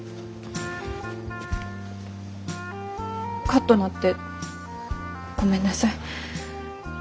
カッとなってごめんなさい。